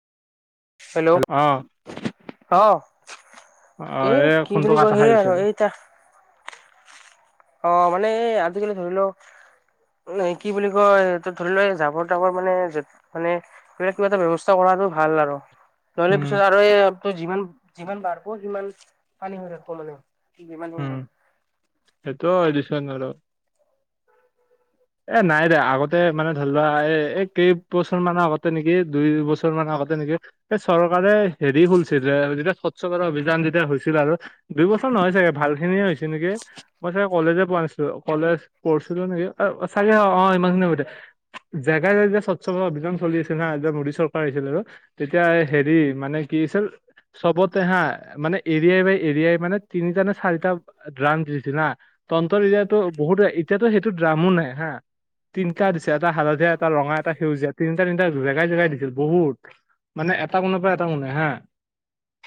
Hello অ এ কি বুলি কয় সেই আৰু এই এতিয়া অ মানে এ আজিকালি ধৰি লওক মানে কি বুলি কয় এইটো ধৰি লোৱা এই জাবৰ তাবৰ মানে মানে বেলেগ কিবা এটা ব্যৱস্থা কৰাতো ভাল আৰু নহলে পিছত আৰু এই ত যিমান যিমান বাৰব সিমান পানী হৈ থাকিব মানে। কিমান সময় হল এইটো এডিশন আৰু। এ নাই দে আগতে মানে ধৰি লোৱা এ এই কেইবছৰ মানৰ আগতে নেকি দুই বছৰ মান আগতে নেকি সেই চৰকাৰে হেৰি খুলিছিল যে যেতিয়া স্বচ্ছভাৰত অভিযান যেতিয়া হৈছিল আৰু দুই বছৰ নহয় চাগে ভালখিনিয়ে হৈছে নেকি মই চাগে কলেজে পোৱা নাছিলো কলেজ কৰিছিলো নেকি অ চাগে অ অ ইমানখিনি সময়তে জেগা জেগাই যে স্বচ্ছভাৰত অভিযান চলি আছিল না মোডী চৰকাৰ আহিছিলে আৰু তেতিয়া হেৰি মানে কি আছিল চবতে হা মানে এৰিয়াই বাই এৰিয়াই মানে তিনিটা নে চাৰিটা ৰাণ দিছিল না তনত এতিয়াতো বহুতে এতিয়াতো সেইটো ডা মো নাই হা তিনটা দিছে এটা হালধীয়া এটা ৰঙা এটা সেউজীয়া তিনিটা তিনিটা জেগাই জেগাই দিছিল বহুত মানে এটা কোনৰ পৰা এটা কোনে হা